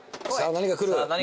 何が来る？